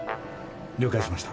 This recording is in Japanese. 了解しました。